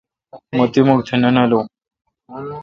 مہ تی مھک تہ نہ نالو۔